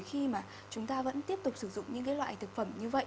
khi mà chúng ta vẫn tiếp tục sử dụng những cái loại thực phẩm như vậy